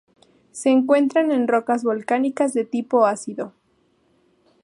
Se encuentra en rocas volcánicas de tipo ácido.